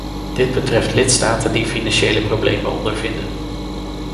Dit betreft lidstaten die financiële problemen ondervinden.